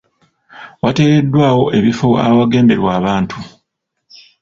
Wateereddwawo ebifo awagemberwa abantu.